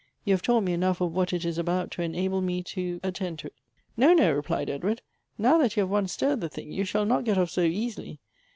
You have taught me enough of what it is about to enable me to attend to it." " No, no," replied Edward, " now that you have once stirred the thing, you shall not get oflf so easily.